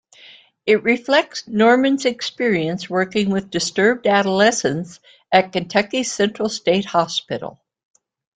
It reflects Norman's experience working with disturbed adolescents at Kentucky's Central State Hospital.